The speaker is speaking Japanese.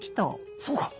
そうか！